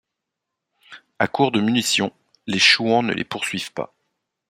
À court de munitions, les Chouans ne les poursuivent pas.